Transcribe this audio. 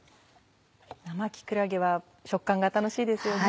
生木くらげは食感が楽しいですよね。